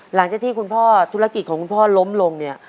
หลังจากที่คุณพ่อธุรกิจของคุณพ่อล้มลงเนี่ย